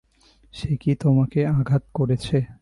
সে কি তোমাকে আঘাত করেছে?